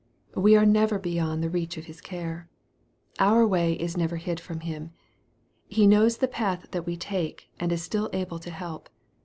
We are never beyond the reach of His care. Our way is never hid from Him. He knows the path that we take, and is still able to help.